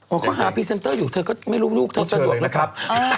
เขาหาพรีเซนเตอร์อยู่เธอก็ไม่รู้ลูกเธอสะดวกนะครับ